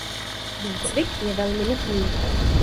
Výcvik je velmi nutný.